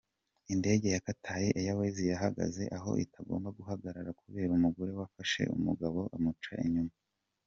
Indege ya Qatar Airways yahagaze aho itagombaga guhagarara kubera umugore wafashe umugabo amuca inyuma.